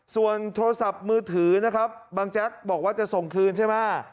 ส่วนโทรศัพท์มือถือนะครับบางแจ๊กบอกว่าจะส่งคืนใช่ไหม